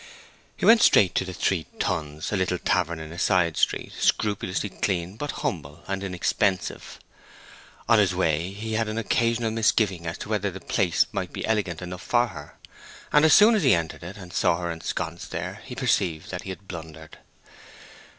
He went straight to The Three Tuns—a little tavern in a side street, scrupulously clean, but humble and inexpensive. On his way he had an occasional misgiving as to whether the place had been elegant enough for her; and as soon as he entered it, and saw her ensconced there, he perceived that he had blundered.